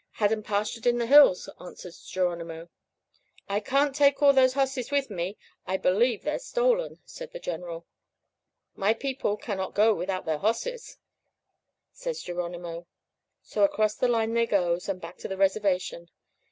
"'Had 'em pastured in the hills,' answers Geronimo. "'I can't take all those hosses with me; I believe they're stolen!' says the General. "'My people cannot go without their hosses,' says Geronimo. "So, across the line they goes, and back to the reservation.